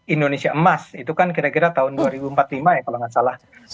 indonesia emas itu kan kira kira tahun dua ribu empat puluh lima ya kalau nggak salah